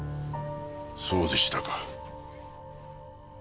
そうでしたか。